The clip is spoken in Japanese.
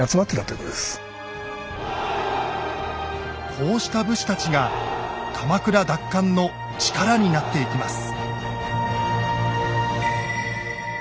こうした武士たちが鎌倉奪還の力になっていきます。